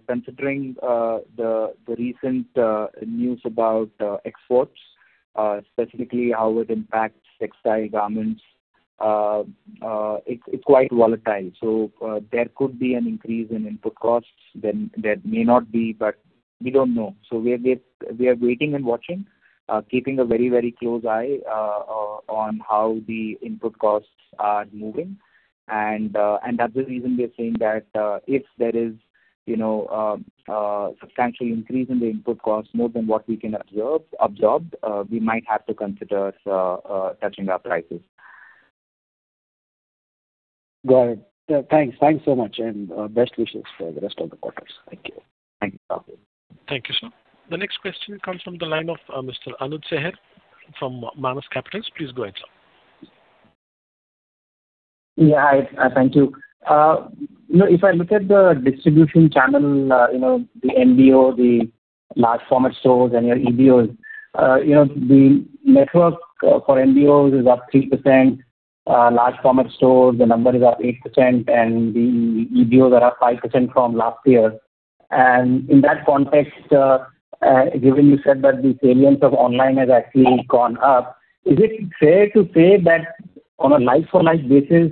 considering the recent news about exports, specifically how it impacts textile garments. It's quite volatile, so there could be an increase in input costs, then there may not be, but we don't know. So we are waiting and watching, keeping a very, very close eye on how the input costs are moving. And that's the reason we are saying that if there is, you know, substantial increase in the input costs more than what we can absorb, we might have to consider touching our prices. Got it. Yeah, thanks. Thanks so much, and best wishes for the rest of the quarters. Thank you. Thank you. Thank you, sir. The next question comes from the line of Mr. Anuj Sehgal from Manas Capital. Please go ahead, sir. Yeah, hi. Thank you. You know, if I look at the distribution channel, you know, the MBO, the large format stores, and your EBOs, you know, the network, for MBOs is up 3%, large format stores, the number is up 8%, and the EBOs are up 5% from last year. In that context, given you said that the salience of online has actually gone up, is it fair to say that on a like-for-like basis,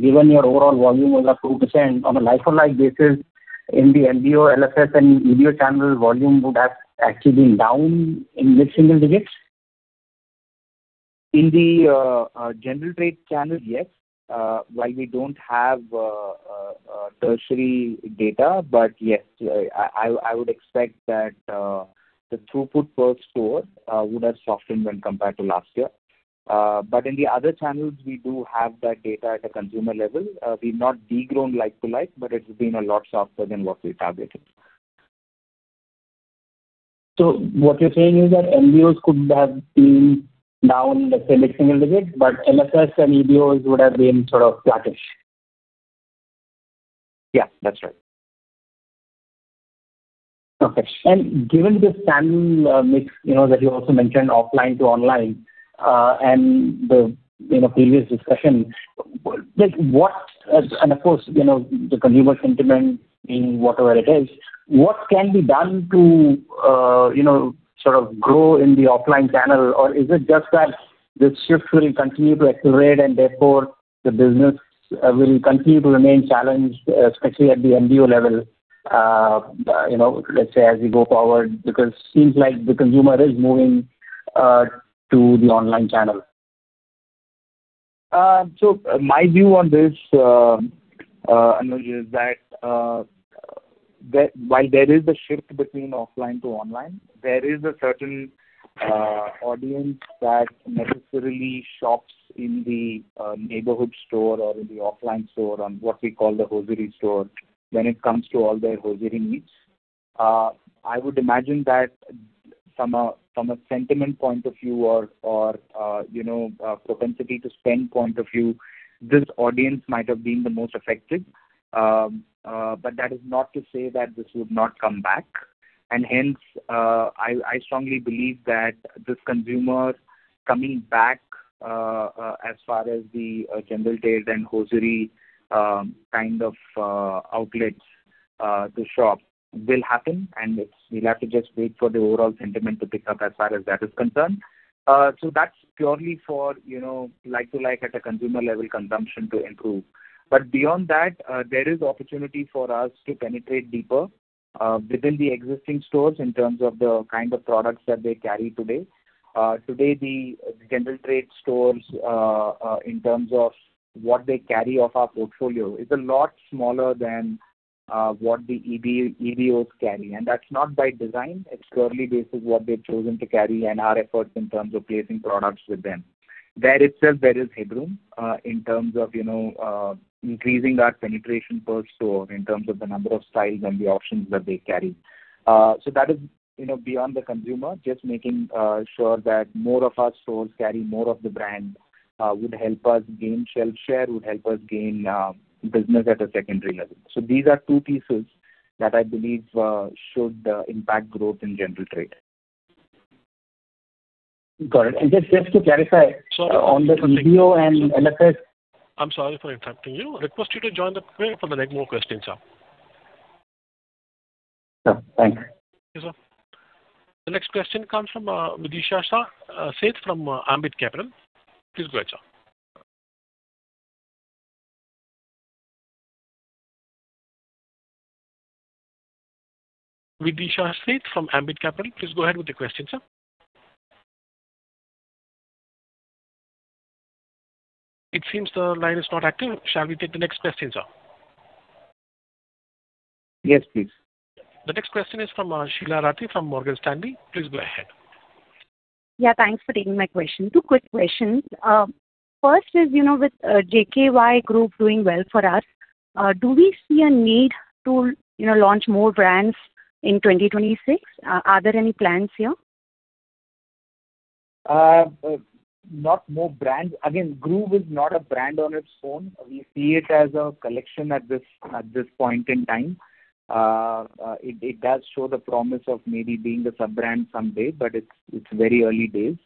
given your overall volume was up 2%, on a like-for-like basis in the MBO, LFS and EBO channel, volume would have actually been down in mid-single digits? In the general trade channel, yes. While we don't have tertiary data, but yes, I would expect that the throughput per store would have softened when compared to last year. But in the other channels, we do have that data at a consumer level. We've not de-grown like-to-like, but it's been a lot softer than what we targeted. What you're saying is that MBOs could have been down in the mid-single digit, but LFS and EBOs would have been sort of flattish? Yeah, that's right. Okay. And given this channel mix, you know, that you also mentioned offline to online and the, you know, previous discussion, like, what... And, of course, you know, the consumer sentiment being whatever it is, what can be done to, you know, sort of grow in the offline channel? Or is it just that this shift will continue to accelerate, and therefore the business will continue to remain challenged, especially at the MBO level, you know, let's say, as we go forward? Because it seems like the consumer is moving to the online channel. So my view on this, Anuj, is that that while there is a shift between offline to online, there is a certain audience that necessarily shops in the neighborhood store or in the offline store, on what we call the hosiery store, when it comes to all their hosiery needs. I would imagine that from a, from a sentiment point of view or, or you know, propensity to spend point of view, this audience might have been the most affected. But that is not to say that this would not come back, and hence, I strongly believe that this consumer coming back, as far as the general trade and hosiery kind of outlets to shop, will happen, and we'll have to just wait for the overall sentiment to pick up as far as that is concerned. So that's purely for, you know, like-to-like at a consumer level, consumption to improve. But beyond that, there is opportunity for us to penetrate deeper, within the existing stores in terms of the kind of products that they carry today. Today, the general trade stores, in terms of what they carry of our portfolio, is a lot smaller than what the EBOs carry. And that's not by design, it's purely based on what they've chosen to carry and our efforts in terms of placing products with them. There itself, there is headroom, in terms of, you know, increasing that penetration per store, in terms of the number of styles and the options that they carry. So that is, you know, beyond the consumer, just making sure that more of our stores carry more of the brand, would help us gain shelf share, would help us gain business at a secondary level. So these are two pieces that I believe should impact growth in general trade. Got it. And just to clarify- Sir- on the MBO and LFS. I'm sorry for interrupting you. I request you to join the queue for the next more question, sir. Sure. Thanks. Thank you, sir. The next question comes from Vidisha Sheth from Ambit Capital. Please go ahead, sir. Vidisha Sheth from Ambit Capital, please go ahead with the question, sir. It seems the line is not active. Shall we take the next question, sir? Yes, please. The next question is from Sheela Rathi from Morgan Stanley. Please go ahead. Yeah, thanks for taking my question. Two quick questions. First is, you know, with JKY Groove doing well for us, do we see a need to, you know, launch more brands in 2026? Are there any plans here? Not more brands. Again, Groove is not a brand on its own. We see it as a collection at this point in time. It does show the promise of maybe being a sub-brand someday, but it's very early days.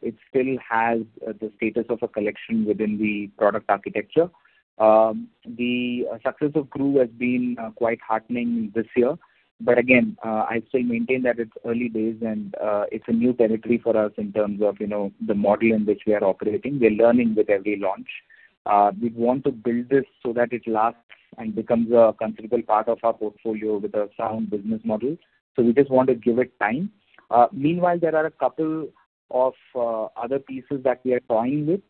It still has the status of a collection within the product architecture. The success of Groove has been quite heartening this year. But again, I still maintain that it's early days and it's a new territory for us in terms of, you know, the model in which we are operating. We're learning with every launch. We want to build this so that it lasts and becomes a considerable part of our portfolio with a sound business model, so we just want to give it time. Meanwhile, there are a couple of other pieces that we are toying with.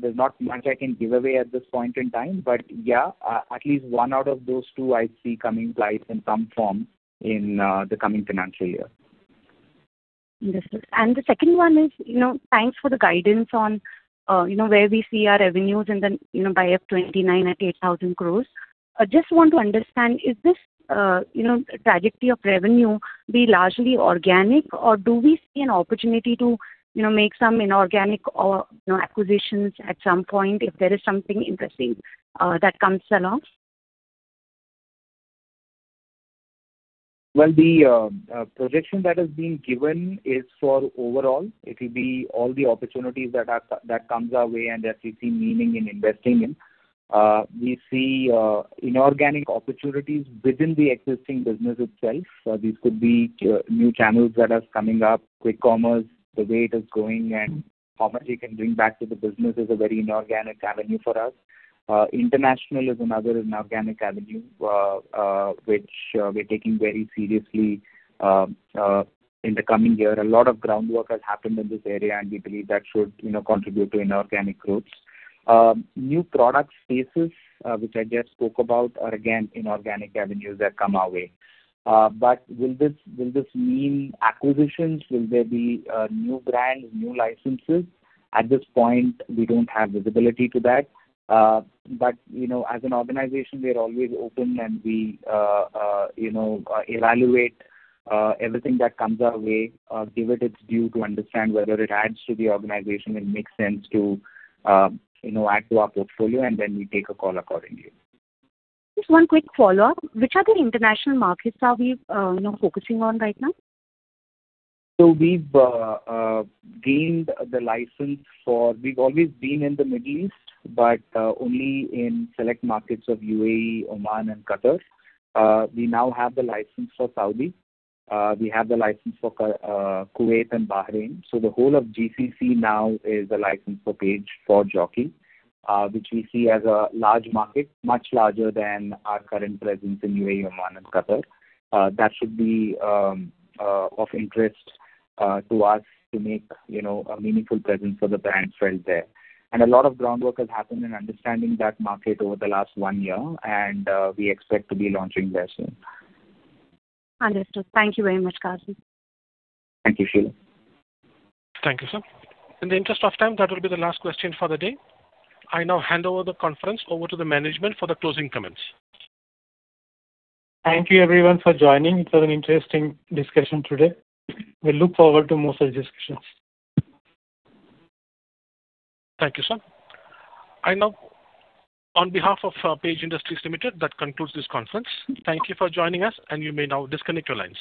There's not much I can give away at this point in time, but yeah, at least one out of those two I see coming live in some form in the coming financial year. Understood. And the second one is, you know, thanks for the guidance on, you know, where we see our revenues, and then, you know, by FY 2029 at 8,000 crore. I just want to understand, is this, you know, trajectory of revenue be largely organic, or do we see an opportunity to, you know, make some inorganic or, you know, acquisitions at some point if there is something interesting, that comes along? Well, the projection that has been given is for overall. It will be all the opportunities that comes our way, and that we see meaning in investing in. We see inorganic opportunities within the existing business itself. These could be new channels that are coming up, quick commerce, the way it is going and how much it can bring back to the business is a very inorganic avenue for us. International is another inorganic avenue, which we're taking very seriously in the coming year. A lot of groundwork has happened in this area, and we believe that should, you know, contribute to inorganic growth. New product spaces, which I just spoke about, are again, inorganic avenues that come our way. But will this mean acquisitions? Will there be new brands, new licenses? At this point, we don't have visibility to that. But, you know, as an organization, we are always open, and we, you know, evaluate everything that comes our way, give it its due to understand whether it adds to the organization and makes sense to, you know, add to our portfolio, and then we take a call accordingly. Just one quick follow-up. Which other international markets are we, you know, focusing on right now? So we've gained the license for, we've always been in the Middle East, but only in select markets of UAE, Oman, and Qatar. We now have the license for Saudi. We have the license for Kuwait and Bahrain. So the whole of GCC now is a license for Page for Jockey, which we see as a large market, much larger than our current presence in UAE, Oman, and Qatar. That should be of interest to us to make, you know, a meaningful presence for the brands felt there. And a lot of groundwork has happened in understanding that market over the last one year, and we expect to be launching there soon. Understood. Thank you very much, Karthik. Thank you, Sheela. Thank you, sir. In the interest of time, that will be the last question for the day. I now hand over the conference over to the management for the closing comments. Thank you everyone for joining. It was an interesting discussion today. We look forward to more such discussions. Thank you, sir. I now, on behalf of Page Industries Limited, that concludes this conference. Thank you for joining us, and you may now disconnect your lines.